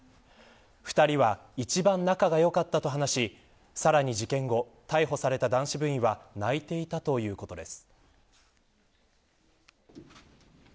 ２人は一番仲が良かったと話しさらに事件後逮捕された男子部員は泣いていたということです。